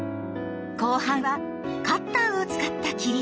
後半はカッターを使った切り絵。